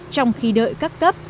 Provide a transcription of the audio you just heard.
trong khi đợi các cấp